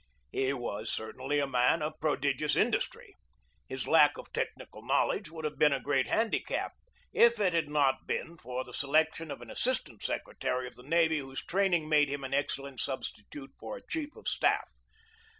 He was certainly a man of prodigious industry. His lack of technical knowledge would have been a great handicap, if it had not been for the selection of an assistant secretary of the navy whose training made him an excellent substitute for a chief of staff.